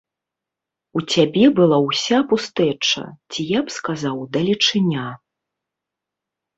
У цябе была ўся пустэча, ці, я б сказаў, далечыня.